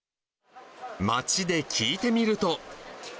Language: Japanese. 街で聞いてみると。